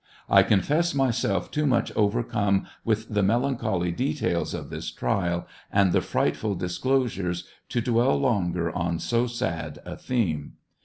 I confess myself too much overcome 'with the melancholy details of this trial and the frightful disclosures to dsvell longer on so sad a theme.